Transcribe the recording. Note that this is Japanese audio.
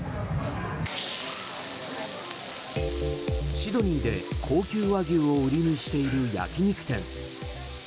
シドニーで高級和牛を売りにしている焼き肉店。